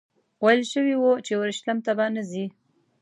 ویل شوي وو چې اورشلیم ته به نه ځې.